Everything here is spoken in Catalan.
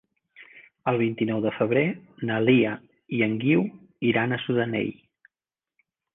El vint-i-nou de febrer na Lia i en Guiu iran a Sudanell.